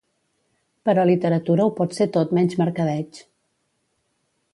Però literatura ho pot ser tot menys mercadeig.